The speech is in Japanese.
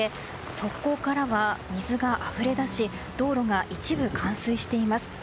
側溝からは水があふれ出し道路が一部冠水しています。